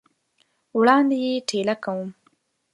وړاندي یې ټېله کوم !